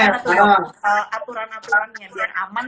aku mau ngetulain aturan aturan yang biar aman